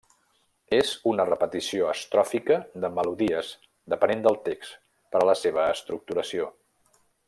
És una repetició estròfica de melodies depenent del text per a la seva estructuració.